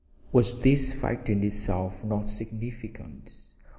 Was this fact in itself not significant?